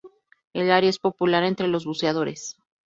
El área es popular entre los buceadores.